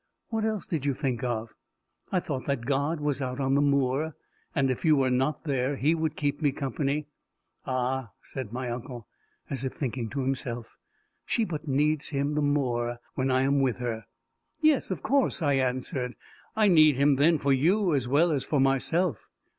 "What else did you think of?" "I thought that God was out on the moor, and if you were not there, he would keep me company." "Ah!" said my uncle, as if thinking to himself; "she but needs him the more when I am with her!" "Yes, of course!" I answered; "I need him then for you as well as for myself."